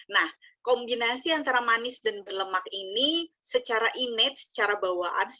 nah kombinasi antara manis dan berlemak ini secara image secara bawaan